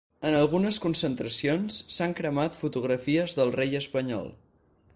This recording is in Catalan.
En algunes concentracions, s’han cremat fotografies del rei espanyol.